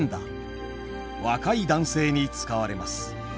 若い男性に使われます。